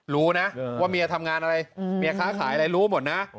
รู้นะว่าเมียทำงานอะไรเมียค้าขายอะไรรู้หมดนะ